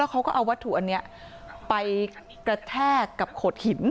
เขาก็เอาวัตถุอันนี้ไปกระแทกกับโขดหิน